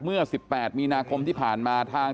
เมื่อ๑๘มีนาคมที่ผ่านมาทาง